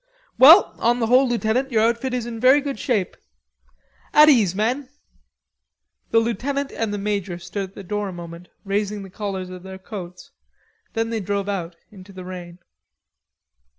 "Well, on the whole, lieutenant, your outfit is in very good shape.... At ease, men!" The lieutenant and the major stood at the door a moment raising the collars of their coats; then they dove out into the rain.